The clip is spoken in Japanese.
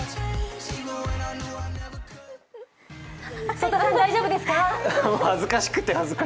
曽田さん、大丈夫ですか？